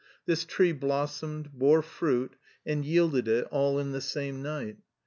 This tree blossomed, bore fruit, and yielded it all in the same night.